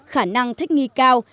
khả năng thích nghi cao